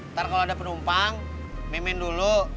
ntar kalau ada penumpang miming dulu